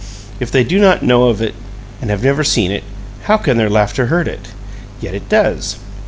If they do not know of it, and have never seen it, how can their laughter hurt it? Yet it does.